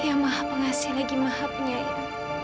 yang maha pengasih lagi maha penyayang